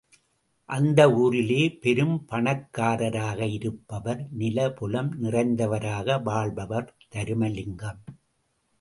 அந்த ஊரிலே பெரும் பணக்காரராக இருப்பவர், நில புலம் நிறைந்தவராக வாழ்பவர் தருமலிங்கம்.